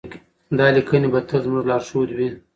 دا لیکنې به تل زموږ لارښود وي.